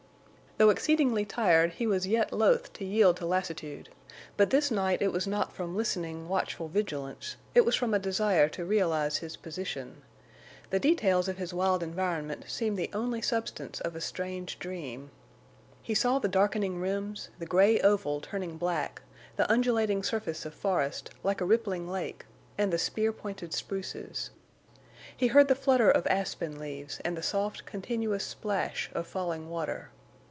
Though exceedingly tired, he was yet loath to yield to lassitude, but this night it was not from listening, watchful vigilance; it was from a desire to realize his position. The details of his wild environment seemed the only substance of a strange dream. He saw the darkening rims, the gray oval turning black, the undulating surface of forest, like a rippling lake, and the spear pointed spruces. He heard the flutter of aspen leaves and the soft, continuous splash of falling water.